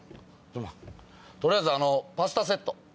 取りあえずパスタセット。